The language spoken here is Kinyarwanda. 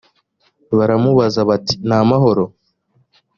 baramubaza bati ni amahoro